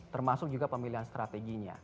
termasuk juga pemilihan strateginya